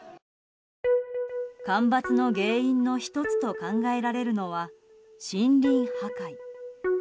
干ばつの原因の１つと考えられるのは森林破壊。